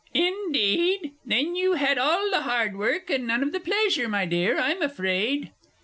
Indeed? Then you had all the hard work, and none of the pleasure, my dear, I'm afraid.